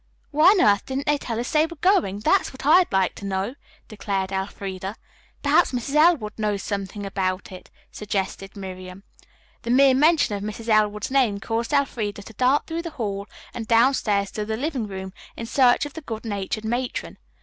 "Why on earth didn't they tell us they were going? That's what I'd like to know," declared Elfreda. "Perhaps Mrs. Elwood knows something about it," suggested Miriam. The mere mention of Mrs. Elwood's name caused Elfreda to dart through the hall and downstairs to the living room in search of the good natured matron.